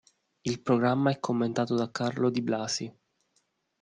Il programma è commentato da Carlo Di Blasi.